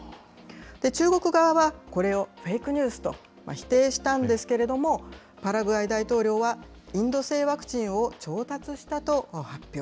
中国側は、これをフェイクニュースと否定したんですけれども、パラグアイ大統領は、インド製ワクチンを調達したと発表。